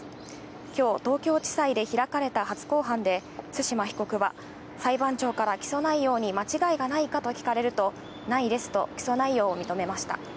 きょう東京地裁で開かれた初公判で対馬被告は裁判長から起訴内容に間違いがないかと聞かれると、ないですと起訴内容を認めました。